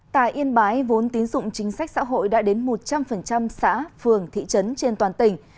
tại yên bái vốn tín dụng chính sách xã hội đã đến một trăm linh xã phường thị trấn trên toàn tỉnh